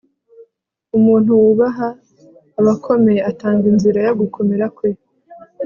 umuntu wubaha abakomeye atanga inzira yo gukomera kwe